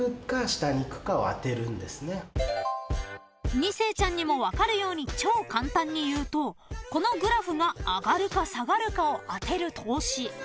［２世ちゃんにも分かるように超簡単にいうとこのグラフが上がるか下がるかを当てる投資］